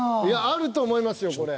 あると思いますよこれ。